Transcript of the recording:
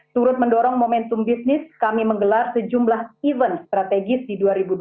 turut mendorong momentum bisnis kami menggelar sejumlah event strategis di dua ribu dua puluh